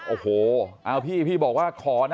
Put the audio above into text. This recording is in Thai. โอ้โหเอาพี่พี่บอกว่าขอนะ